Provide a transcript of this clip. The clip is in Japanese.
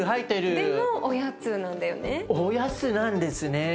おやつなんですね。